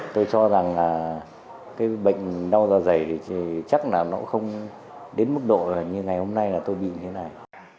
tôi cho rằng là cái bệnh đau dạ dây thì chắc là nó cũng không đến mức độ như ngày hôm nay là tôi bị như thế này